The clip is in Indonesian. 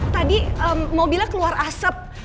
tadi mobilnya keluar asap